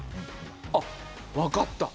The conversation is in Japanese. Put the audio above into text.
あっ分かった。